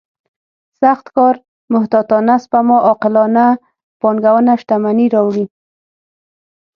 سخت کار محتاطانه سپما عاقلانه پانګونه شتمني راوړي.